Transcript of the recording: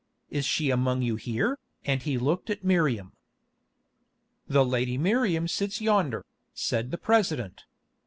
Is she among you here?" and he looked at Miriam. "The lady Miriam sits yonder," said the President.